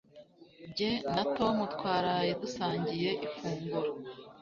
Jye na Tom twaraye dusangiye ifunguro